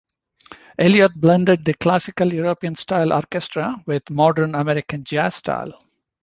Elliott blended the classical European style orchestra with modern American jazz style.